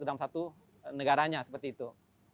dalam satu negaranya seperti itu